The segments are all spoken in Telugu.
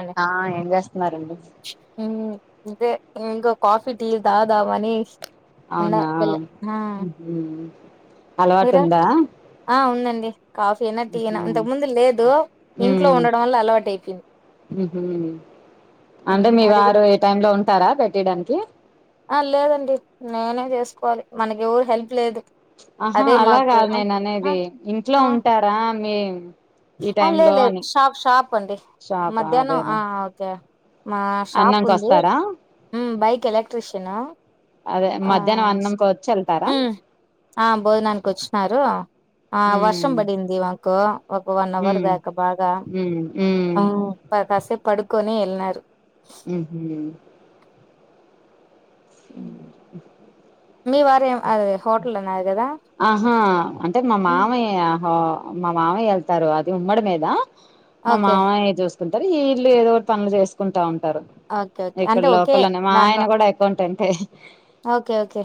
అండి ఆ ఏం చేస్తున్నారండి ఇదే ఇంగా కాఫి డల్ తాగడం మని అవునా హమ్ మ అలవాటు మీరు ఉందా ఆ ఉందండి కాఫీ అయినా టీ అయినా ఇంతకు హ్మ ముందు లేదు ఇంట్లో ఉండడం వల్ల అలవాటు అయిపోయింది అంటే హ్మ్. ఉమ్ మీ అది కూడా వారు ఏ టైము లో ఉంటారా పెట్టయడానికి ఆ లేదండి నేనే చేసుకోవాలి మనకివరు హెల్ప్ లేదు ఆహా అదే అలా మాకు కాదు ఆ నేను ఆ! అనేది ఇంట్లో ఆ! ఉంటారా మే ఆ లే లేదు షాప్ షాప్ అండి షాపా మధ్యాహ్నం అదేలే ఆ ఓకే మా షాప్ అన్నంకి ఉంది వస్తారా బైక్ ఎలక్ట్రిషయనా అదే ఆ మధ్యాహ్నం అన్నంకి వచ్చి వెళ్తారా ఆ భోజనానికి వచ్చినారు ఆ ఉమ్ వర్షం పడింది మాకు ఒక వన్ అవర్ ఉమ్ దాకా బాగా ఉమ్ ఉమ్ ఆ కాసేపు పడుకొని అన్నారు హమ్ మ్మ మ మీ వారే అదే హోటల్ అన్నారు కదా ఆహా అంటే మా హ్మ్. మామయ్య్య మా మామయ వెళ్తారు అది ఉమ్మడి మీద మా ఓకే మావైని జూస్ తింటారు ఈ ఇల్లు ఏదో ఒకటి పన్లు చేసుకుంటా ఉం టరు ఓకే ఓకే ఇక్కడ అంటే ఓకే లోకల్ అని మా ఆయన దాంట్లో కూడా అకౌంటెంట్ ఓకే ఓకే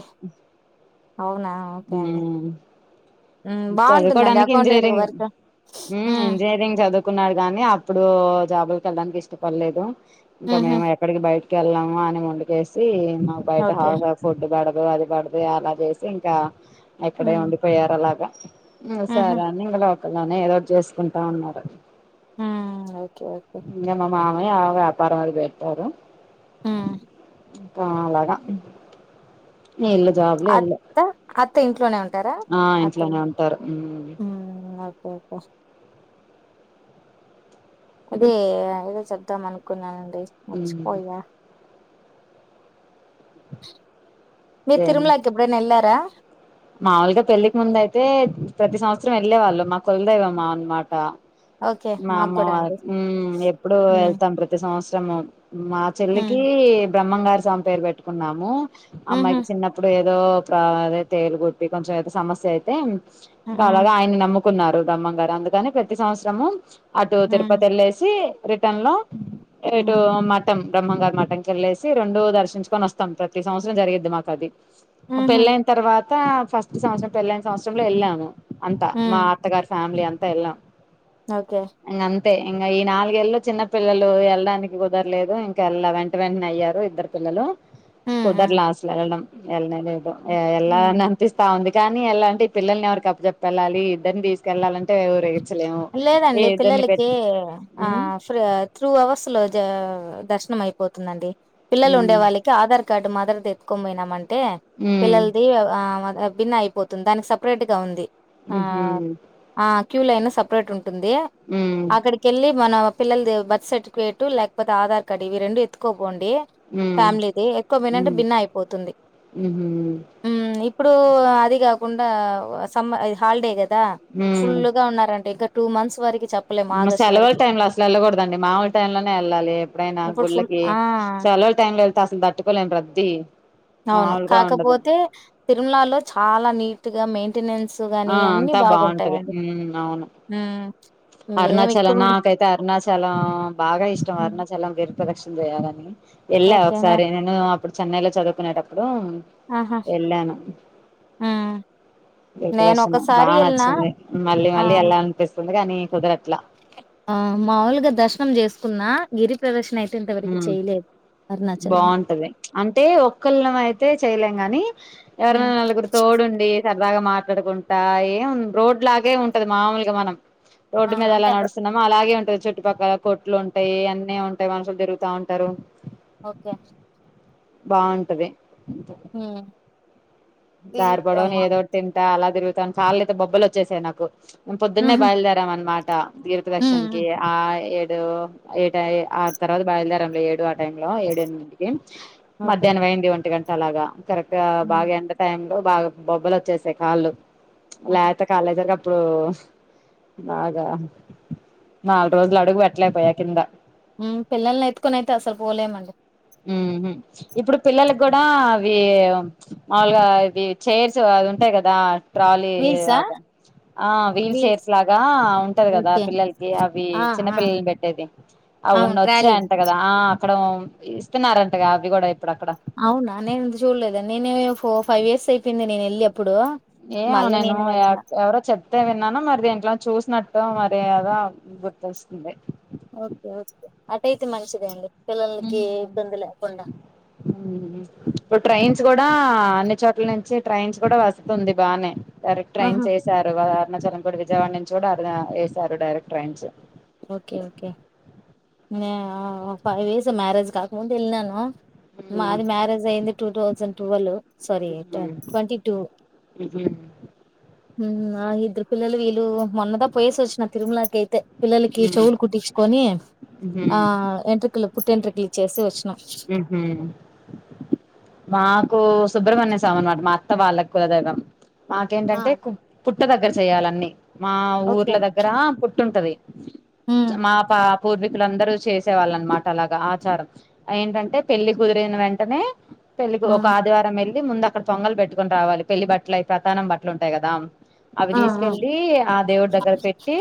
అవునా ఓకే అండి మ్మ్ బాగుంటుందండి చదువుకోడానికి అకౌంటెంట్ ఇంజనీరింగ్ వర్క్ మ్మ్ హ్మ్. ఇంజనీరింగ్ చదువుకున్నాడు కానీ అప్పుడు ఓ జాబుల్కేళ్ళడానికి ఇష్టపడలేదు ఇంకా హుహు. మేము ఎక్కడికి బైట్ కెళ్ళాము అని మొండుకేసి నా బయట ఓకే [unintelligible] ఫుడ్ బ్యాడ్ [unintelligible] అది పడితే అలా జేస్ ఇంకా ఇక్కడే హ్మ్. ఉండిపోయారు అలాగా మ్ హుహు. సరే అని ఇవ్లేద్ ఒక్కదానే ఏదో ఒకట్ చేసుకుంటా ఉన్నారు ఆ ఓకే ఓకే మామ వ్యాపారం అది పెడతారు ఆ కా అలాగా వీళ్ళు జాబ్లు వీళ్ళు అత్త అత్త ఇంట్లోనే ఉం ఆ ఇంట్లోనే ఉంటరు హ్మ్. ఓకే ఓకే అదే ఏదో చెపద్దాం అనుకున్నాను మర్చి ఉమ్ పోయ మీరు తిరుమలకి ఎప్పుడైనాఎళ్లారా మాములుగా పెళ్ళికి ముంద అయితే ప్రతి సంవత్సరం వెళ్ళే వాళ్ళు మాకులదైవమ్ అనమాట ఓకే మాకు మాఅమ్మ కూడా వాల్ అండి ఎప్పుడు హ్మ్ వెళ్తాం ప్రతి సంవత్సరం సమం మా చెల్లికి హ్మ్ బ్రహ్మంగారి స్వామి పేరు పెట్టుకున్నాము ఊహూ అమ్మాయికి చిన్నప్పుడే ఏదో రా అదే తేలుగుట్టి కొంచెం ఏదో సమస్య అయితే హ్మ్ అలాగా ఆయన నమ్ కున్నారు బ్రహ్మం గారు అందుకని ప్రతి సంవత్సరము అటు హ్మ్ తిరుపతి వెల్లే సి రిటన్ లో హ్మ్ ఇటు మటం బ్రహ్మం గారు మటంకి వెళ్లేేసి రెండు దర్శించుకొని వస్తాం ప్రతి సంవత్సరం జరిగిద్ది మాకు అది హహ పాత ఫస్ట్ సంవత్సరం పెళ్ళైన సంవత్సరంలో ఎళ్ళాము అంత మా హ్మ్ అత్తగారి ఫ్యామిలీ అంత ఎలా ఓకే అంతే ఇంకా ఈ నాలుగేళ్ళు చిన్న పిల్లలు వెళ్ళడానికి కుదరలేదు ఇంకా ఎల్లా వెంట వెంటనే అయ్యారు ఇద్దరు పిల్లలు హ్మ్ కుదర్ హ్మ్ లా అసలు వెళ్లడం ఎట్లాగే హ్మ్ ఎల్లాలైన అంతేగా ఉంది కానీ ఎల్లాలి అంటే పిల్లల్ని ఎవరుకి అప్ప చెప్పెళ్ళాలి ఇద్దరిని తీసుకెళ్ళాలంటే ఎవర్ లేదండి పిల్లలకి ఆ ఉమ్ ఫీ త్రూ అవర్స్ లో ద దర్శనం అయిపోతుందండి పిల్లలు ఉండే హ్మ్ వాళ్ళకి ఆధార్ గడ్ మాదర్ ద ఎత్కుొ మమయినా మంటడి అే హ్మ్ పిల్లలది ఆ బిన్న అయిపోతుంది దానికి సపరేట్ గా ఉంది ఆ ఉహూ ఆ క్యూలైన స ఉంటుంది హ్మ్ అక్కడకి వెళ్ళి మన పిల్ల బర్త్ సర్టిఫికేటు లేకపోతే ఆధార్ కార్డు ఇవి రెండు ఎత్తుకో హ్మ్ ఫమి ఎక్కువే హ్మ్ భిన్న అయిపోతుంది ఉహూ ఇప్పుడు అది కాకుండా సమ్మర్ హాలిడే కది దా ఫుల్ హ్మ్ గా ఉన్నన్నారుంట టూ మంత్స్ వరకి సెలవుల వరకి టైంలో అసలు వెళ్ళకూడదండి మాములు టైంలోనే వెళ్ళాలి ఎప్పుడైనా ఇప్పుడు ఫుల్ గుళ్ళకి ఆ సెలవుల టైంలో వెళ్తే అసలు తట్టుకోలేం ప్రద్దీ అవును కాకపోతే తిరుమలాలో చాలా నీర్ గా మైన్ ఆ అంతా బాగుంటది హా అవును హ్మ్. మేము అరుణాచల్ ఇక్కడ నాకైతే అరుణాచల్ చాలా బాగా ఇష్టం అరుణాచలంపేరు ప్రదక్షం చేయాలని ఎల్లా ఓకేనా ఒకసారి నేను ఇప్పుడు చెన్నైలో చదువుకునేటపుడు హా ఆహా! వెళ్ళాను హ్మ్. ఇప్పుడే నేను వస్తున్నాం ఒకసారి బాగా ఎళ్ళినా నచ్చింది మళ్ళీ ఆ! మళ్ళీ ఎలా అనిపిస్తుంది ఉంది కానీ కుదరట్లా ఆ మాముూలుగా దర్శనం చేసుకున్నా గిరి ప్రదక్షిణ అయితే హా ఇంతవరకు చేయలేదు అరుణాచలం బాగుంటది అంటే ఒక్కళ్ళ అయితే చెయలే గని ఎవారయినా హ్మ్ నలుగురు తోడుండీ సరదగా మా అక్కడకుంటా ఏం రోడ్లాగే ఉంటది మామూలుగా మనం ఆ రోడ్డు మీద అంటే అలా అదే. నడుస్తున్నాము అలాగే ఉంటాది చుట్టుపక్కల కొట్లు ఉంటాయి అన్నీ ఉంటాయి మనుషులు జరుగుతా ఉంటారు ఒకే బాగుంటది హ్మ్ ఈ దారి పొడవునా అమ్మా ఏదో ఒకటి తింన్ చాలా తిరుగుతామ్ కాలైతే బొబ్బలు వచ్చేసాయి నాకు పొద్దున్నే హ్మ్ బయలుదేరాం అన్మాట్ ఆ దీప్ దర్శన్ కి హ్మ్. ఆ ఏ [unintelligible] అదేటది ఆ తర్వాత బయలుదేరాంలే ఏడు ఆ టైంలో ఏడేనిమీదిటికి ఓకే మధ్యాహ్నమైంది ఒంటి గంట్ అలాగా కరెక్గా ఆ! బాగా ఎండ టైమ్ తో బాగా బొబ్బలు వచ్చేసాయి కాళ్ళు ప్చ్ ఆహా! లేత కాళ్లు ఎదురుగా ఇప్పుడు బాగా నాలుగు రోజులు అడుగు పెట్టలేకపోయా కిందా మ్మ్ పిల్లల్ని ఎత్తుకొని అయితే అసలు పోలేమండి హ్మ్ హు ఇప్పుడు పిల్లలకి కూడా అవి మాములుగా ఇవి చైర్స్ అవి ఉంటాయి కదా ట్రాలీ వీల్సా లాగా ఆ వీల్ వీల్స్ చైర్స్ లాగా ఉంటది కదా ఓకే పిల్లలకి అవి ఆ ఆ చిన్నపిల్లల్ని పెట్టేది అవును అవ్ను వచ్చాయి ట్రాలీ అంట కదా ఆ అక్కడ ఇస్త్ ఇస్తున్నారంటగా అవి కూడా ఇప్ అవునా నేను చూడలేదే నేను ఫోర్ ఫైవ్ ఇయర్స్ అయిపోయింది నేను వెళ్లి ఏమో నేను ఎ ఎవరో చెప్తే విన్నాన మరి దేంట్లో చూసినట్ మొత్తం మరి ఎదో గుర్తొస్తుంది ఓకే ఓకే అటైతే మంచిదే అండి పిల్లలకి మ్మ్ ఇబ్బంది లేకుండా మ్మ్ ఇప్పుడ్ ట్రైన్స్ కూడా అన్ని చోట్ల నించి ట్రైన్స్ కూడా వస్తుంది బానే కరెక్ట్ ఆహా ట్రైన్స్ వేశారు కాద అరుణాచలం బోర్డు విజయవాడ నుంచి కూడా ఆ ఎసారు డైరెక్ట్ ట్రైన్స్ ఓకే ఓకే నే ఆఆ ఫైవ్ ఇయర్స్ మ్యారేజ్ కాకముందు వెళ్ళినాను మాది మ్యారేజ్ అయింది టూ థౌజండ్ టువలు సారీ ట ట్వంటీ టు హ్మ్ ఆ ఇద్దరు పిల్లలు వీళ్ళు మొన్నదా పోయేసి వచ్చిన తిరుమలకి అయితే పిల్లలకి చెవులు కుట్టించుకొని ఆ ఎంట్రుకులు పుట్టేంట్రికలు ఇచ్చేసి వచ్చినం ఊహు మాకు సుబ్రహ్మణ్య స్వాం అనమాట మా అత్త వాళ్ళకు కులదైవం ఆ మాకేంటంటే కు పుట్ట దగ్గర చేయాలన్నీ మా ఓకే ఊర్ల దగ్గర పుట్టుంటది ఉమ్ మా పాప్ పూర్వీకులందరూ చేసే వాళ్ళ అనమాట అలాగా ఆచారం ఏంటంటే పెళ్లిి కుదిరిన వెంటనే పెళ్లికి ఆ ఒక ఆదివారం వెళ్ళి ముందు అక్కడ పొంగల్ పెట్టుకుని రావాలి పెళ్లి బట్టలవి ప్రతానం బట్టలు ఉంటాయి కదా అవి ఆ ఆ తీసుకెళ్లి ఆ దేవుడి దగ్గర పెట్టి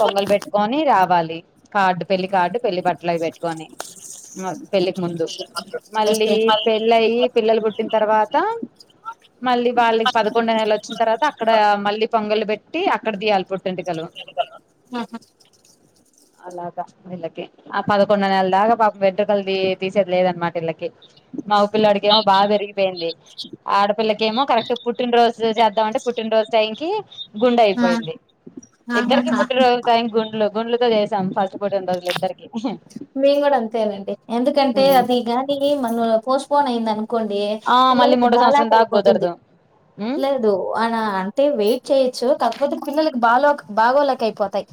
పొంగలు పెట్టుకొని రావాలి అ కార్డు పెళ్లి కార్డు పెళ్లిి బట్టలువి పెట్టుకొని ముందు మళ్ళీ ఓకే పెళ్ళయి పిల్లలు పుట్టిన తర్వాత మళ్ళీ వాళ్ళకి పదకొండో నెల వచ్చిన తర్వాత అక్కడ మళ్ళీ ప నీలాపెట్టి అక్కడ దియాలి జంతికలు ఆ అలాగా విళ్ళకి ఆ పదకొండో నెల్ దాకా పాప బెడ్ ల్ది తీసేది లేద్ అనమాట వీళ్ళకి మా పిల్లాడికి ఏమో బాగా పెరిగిపోయింది ఆడపిల్లకి ఏమో కరెక్ట్ పుట్టినరోజు చేద్దామంటే పుట్టినరోజు టైంకి గుండె అయిపోయింది ఇద్దరికి ఆహాహా పుట్టిరోజున టైం గుండ్లు గుండు గా అంత ఆటుపోట్లు ఉండదులే ఇద్దరికి మేము కూడా అంతేనండి ఎందుకంటే అది గాని మన పోస్ట్పోన్ అయింది అనుకొ ఆ మళ్ళీ పిల్లలకి మూడో బాగాలేక సంవత్సరం దాకా అయిపోతుంది కుదరదు ఉమ్ లేదు అన అంటే వెయిట్ చేయొచ్చు క పిల్లలకి బాలో బాగోలేక అయిపోతాయి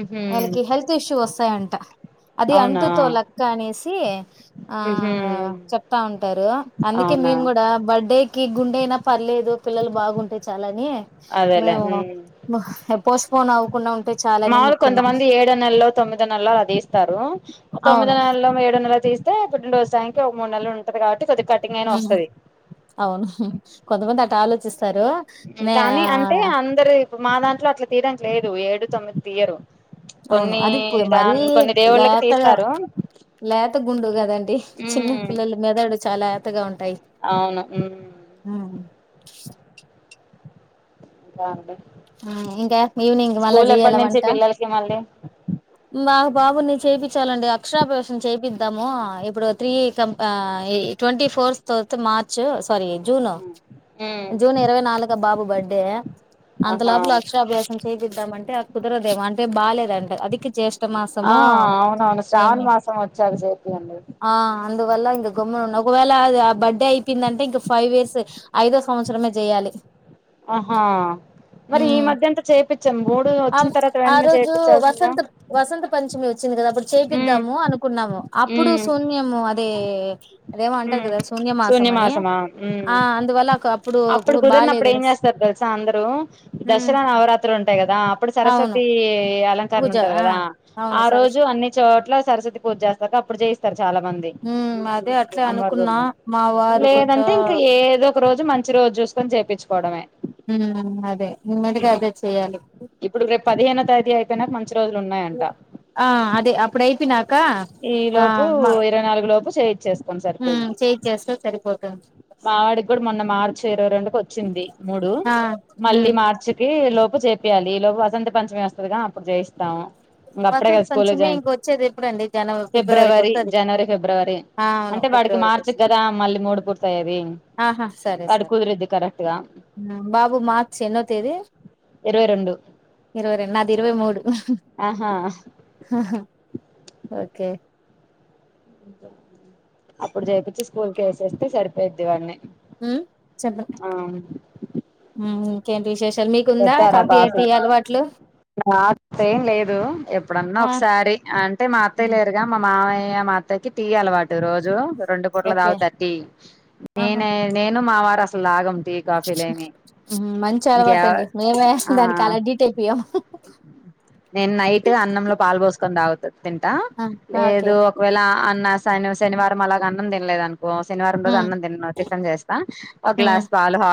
ఉహు ఇష్యూ వస్తాయంట అది అవునా అంటుతోలక్క అనేసి ఆ ఉహు చెప్తా ఉంటారు అందుకే అవునా మేము కూడా బర్డేకి గుండె అయినా పర్లేదు పిల్లలు బాగుంటె చాలా దే అదేలే ఉమ్ పోస్టపోన్ అవు [unintelligible] అంటే చాలానే మాములు మొక్కున్నాం కొంతమంది ఏడో నెల్లో తొమ్మిదొ నెళొ అలా తీస్తారు తొమ్మిదొ అవును. నెలలో ఏడు నెల తీస్త తే పుట్టిన రోజు టైంకి ఒక మూడు నెలు ఉంటది కాట్ ఉ అవును కొంతమంది అట్ ఆలోచిస్ కానీ అంటే అందరు మా దాంట్లో అట్లా తీయడానికి లేదు ఏ డు తొమిద్ తీయరు అవును కొన్ని అది పో మరీ దాన్ కొన్ని దేవుళ్ళకి లేతగా తీస్తారు లేత గుండు కదండి చిన్న ఉమ్ పిల్లలు మెదడు చాలా లేతగా ఉంటాయి అవును ఉమ్ ఉ ఆ అండి ఊ ఇంకా ఇవినింగ్ మళ్ళా స్కూల్ జేయాల ఎప్పటి నుంచి వంట పిల్లలకి మళ్ళీ మా బాబుని చేపించలాండి అక్షరాభ్యాసం చేపిద్దాము ఇప్పుడు త్రీ కం ట్వంటీ ఫోర్త్ తో మార్చ్ పరీ జూన్ ఉమ్ జూన్ ఇరవై నాలుగ బాబు బర్త్డే ఆహా అంతలోపుల అక్షరాభ్యాసం చేయిపిద్దామంటే ఆ కుదరదేమేం అంటే బాలేదంటే అదికే ఆ అవునవును శ్రావణ ఏమి మాసం వచ్చాక చెపియ్యండి ఆ అందువల్ల ఇంకా గమ్మనున్న ఒకవేళది ఆ బర్త్డే అయిపోయిందంటే ఇంక ఫైవ్ ఇయర్స్ ఐదో సంవత్సరమే చేయాలి ఆహా మరి ఈ ఉమ్ మధ్య అంత చేపిచ్చాం మూడు ఆ వచ్చిన తర్వాత వెంటనే చేపీచాల్సిగా [inaudible] పంచమీ వచ్చింది కదా అప్పుడు చేపిద్దాము అనుకున్నాము అప్పుడు ఉమ్ శూన్యము అదే ఏ అదేమో అంటారు ఉమ్ కదా శూన్య మాసం అని శూన్యమాసమా ఆ ఉమ్ అందువల్ల ఒక అప్పుడు కుదిరినప్పుడు ఏం చేస్తారు తెలుసా అందరూ ఉమ్ దసరా నవరాత్రులు ఉంటాయి కదా అప్పుడు అవును సరస్వతీ టర్న్ పూజ ఉంటాది ఆ కదా అవును ఆ రోజు సరస్వతి అన్ని చోట్ల సరస్వతి పూజ చేసాక అప్పుడు చేయిస్తారు చాలా మంది ఉ అదే అట్లే అమ్మవారి అనుకున్నా గుళ్లో మా వారు కొంచెం లేదంటే ఇంకా ఏదో ఒక రోజు మం చి రోజు చూస్కోని చేపించుకోవడమే ఉమ్ అదే నిమ్మదిగా అదే చెయాలి ఇప్పుడు రేపు పదిహేనో తేదీ అయిపోయినాక మంచి రోజులు ఉన్నాయంట ఆ అదే అప్పుడయిపోయినాక ఈ లోపు ఇరవై నాలుగు లోపు చేయిచ్చేస్ కోని ఉమ్ సరిపోయిది చేయి చేస్తే సరిపోతుంది మావాడికి కూడా మొన్న మార్చి ఇరవై రెండుకి వచ్చింది మూడు ఆ ఉమ్ మళ్ళీ మార్చికిి లోప్ చేపియ్యాలి ఈ లోపు వసంత పంచమి వస్తుందిగా అప్పుడు చేయిస్తాము ఇంగ అప్పుడే కదా వసంత్ స్కూల్ పంచమి జాయిన్ ఇంకొచ్చేది ఎప్పుడండి జనవరి ఫిబ్రవరికి ఫిబ్రవరి వత్తాది జనవరి ఫిబ్రవరి ఆ అవును అంటే వాడికి ఫిబ్రవరికి మార్చి వస్ కదా మళ్ళీ మూడు పూర్తయ్యేది ఆహా సరే వాడు సరే కుదిరిద్ది కరెక్ట్ గా బాబు మార్చ్ ఎన్నో తేదీ ఇరవై రెండు ఇరవై రెండు నాది ఇరవై మూడు ఆహా ఓకే అప్పుడు జెర్పిచి స్కూల్ కి వేసేస్తే సరిపోయిద్ది వాన్ని మ్మ్ చెప్రా మ్మ్ మ్ ఇంకేటి విశేష్ పెట్టారా కాఫీ నా అత్తేం లేదు ఎప్పుడన్నా ఆ ఒకసారి అంటే మా అత్తయ్య లేరుగా మా మావయ్య మా అత్తయ్యకి టీ అలవాటు రోజు రెండు పూట్ల ఓకే తాగుతా టి ఆహా నేనే నేను మా వారు అసల్ లాగం మంచి ఇంకెవ అలవాటండి మేమే ఆ దానికి అలా డీట్ అయిపోయాం తాగుతద్ తింటా ఆ ఓకే లేదు ఒకవేళ అన్నా స్ సాను శనివారం అలాగ అన్నం తినలేదు అను ఓ శనివారం రోజు ఉమ్ అన్నం తిన్న్ను టిఫిన్ చేస్తా ఓ గ్లాస్ పాల్ హా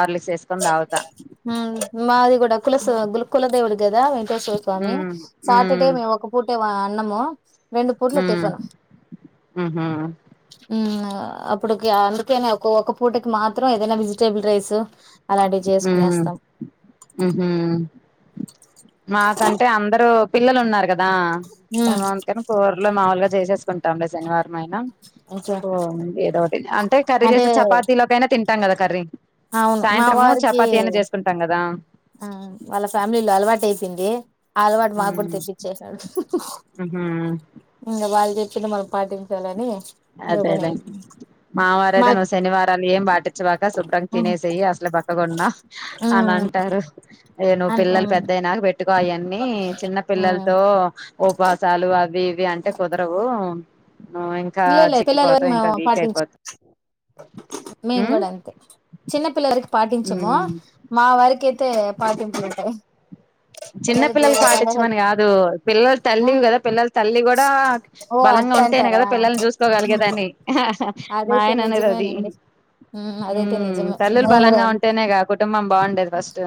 మ్ మాది కులస్ గులుకుల దేవుడ్కి కదా వెంకేశ్వర స్వామి ఉమ్ సాటర్డే ఉమ్ మే ఒక పుట్ కట్టేవా అన్నమ్ము రెండు పుట్లా ఉమ్ టిఫను ఉహు ఆ అప్పుడుకి అందుకేనే ఒక ఒకక్క పూటకి మాత్రం ఏదైనా వెజిటేబుల్ రైస్ అలాంటివి మ్ చేసుకునేస్తాం. హ్మ్ పిలల్లు ఉన్నారు గద్ దా హ్మ్. మనం తిన కూర్లూ మాముల్గా చేసేస్తా కుంట ఉండే శనివార్ మైన ఓకే. ఓ ఏదోటి అంటే కర్రీ చేస్తే చపాతిలోకైనా తిన్ [unintelligible] కర్రీ అవును మా సాయంత్రము వారికి చపాతీ అయినా చేసుకుంటాం కదా ఆ వాళ్ళ ఫ్యామిలీలో అలవాటు అయ్పో ఇంది అలవాటు మాకు కూడా మ్మ్ తెప్పించేసాడు మ్హూ ఇంకా వాళ్ళు చెప్ తిన్న మనం పాటింపాలని అదే డైమ్ మావారైతే మాక్ నువు శనివారాలు ఏం వా వచ్చేదాక శుభ్రంగా హ్మ్. తినేసేయి అసలు ఒక్కగున్నా అని హ్మ్. అంటారు నేను అన్ పిల్లలు హ్మ్. పెద్దయినాక పెట్టుకో అయన్నీ చిన్న హ్మ్. పిల్లలతో ఉపవాసాలు అవి ఇ అంటే కుదరవు ను పిల్లలే పిల్లల పెరిగి మనము పాటించాం మేము ఉమ్ కూడా అంతే చిన్న పిల్లలకి పాటించము ఉమ్ మా వారికై తే పాటింపులుంటాయి చిన్న పిల్లలకి పాటించమని కాదు పిల్లల ఆ! తల్లివి కదా పిల్లలు తల్లి కూడా ఓ బలంగా అట్ట ఉంటేనే అంటారా కదా పిల్లల్ని చూసుకోగలిగేదని మా అదైతే ఆయన అనేది అది నిజమేనండి ఉమ్ అదైతే ఉమ్ నిజమే తల్లులు నేను కూడా బలంగా ఉంటేనేగా కుటుంబం బాగుండేది ఫస్ట్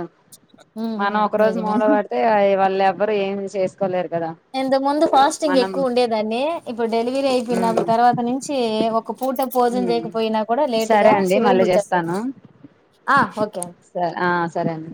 ఉమ్ ఉమ్ మనం ఒక రోజు నిజమే మూల పడితే అయి వాల్లే ఎవరు ఏమి చేసుకోలేరు కదా ఇంతకు ముందు ఫాస్టింగ్ మనం ఎక్కువ ఉండేదాన్ని ఇప్పుడు డెలివరీ ఉమ్ అయిపోయినపుడు తర్వాత నుంచి ఒక పూట భోజం ఉమ్ చేయకపోయినా కూడా లేటుగా సరే అండి శివరింగ్ మళ్ళీ వచ్చేస్తాది చేస్తాను ఆ ఓకే అం స ఆ సరే అండి